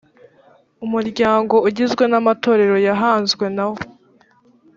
umuryango ugizwe n amatorero yahanzwe nawo